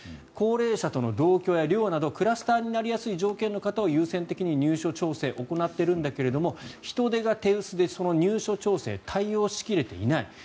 高齢者との同居や寮などクラスターになりやすい条件の方を優先的に入所調整を行っているんだけれども人手が手薄でその入所調整対応しきれていない。